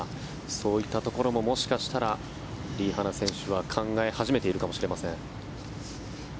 そういったところももしかしたらリ・ハナ選手は考え始めているかもしれません。